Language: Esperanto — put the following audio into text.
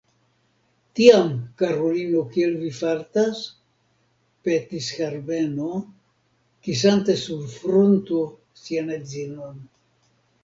Tiam, karulino, kiel vi fartas? petis Herbeno, kisante sur frunto sian edzinon.